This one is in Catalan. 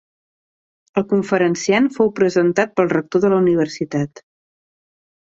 El conferenciant fou presentat pel rector de la Universitat.